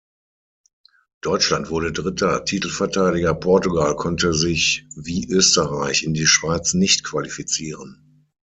Deutschland wurde Dritter, Titelverteidiger Portugal konnte sich wie Österreich und die Schweiz nicht qualifizieren.